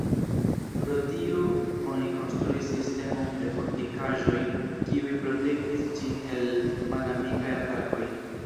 Pro tio oni konstruis sistemon de fortikaĵoj kiuj protektis ĝin el malamikaj atakoj.